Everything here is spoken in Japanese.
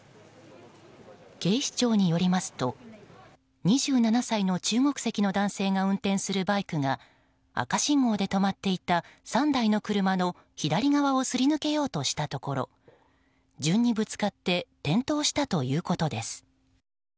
警視庁によりますと２７歳の中国籍の男性が運転するバイクが赤信号で止まっていた３台の車の左側をすり抜けようとしたところ順にぶつかって転倒したということです。